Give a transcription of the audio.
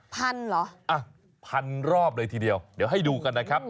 พันเหรออ่ะพันรอบเลยทีเดียวเดี๋ยวให้ดูกันนะครับ